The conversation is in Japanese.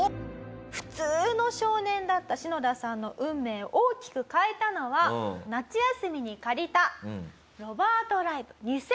普通の少年だったシノダさんの運命を大きく変えたのは夏休みに借りた。